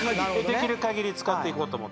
できる限り使っていこうと。